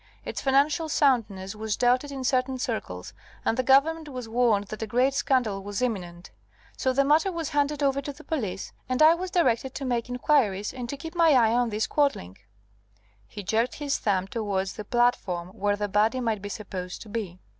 Its financial soundness was doubted in certain circles, and the Government was warned that a great scandal was imminent. So the matter was handed over to the police, and I was directed to make inquiries, and to keep my eye on this Quadling" he jerked his thumb towards the platform, where the body might be supposed to be.